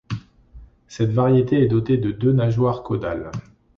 Cette variété est dotée de deux nageoires caudales.